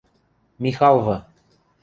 Михалвы